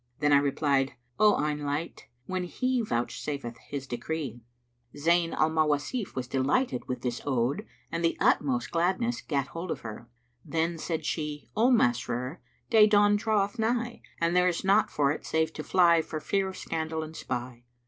Then I replied, 'O eyen light, * When He vouchsafeth His decree!'"[FN#342] Zayn al Mawasif was delighted with this Ode and the utmost gladness gat hold of her. Then said she, "O Masrur day dawn draweth nigh and there is naught for it save to fly for fear of scandal and spy!"